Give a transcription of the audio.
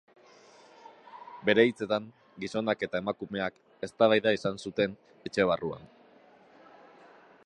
Bere hitzetan, gizonak eta emakumeak eztabaida izan zuten etxe barruan.